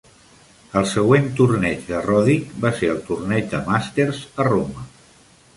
El següent torneig de Roddick va ser el torneig de Masters a Roma.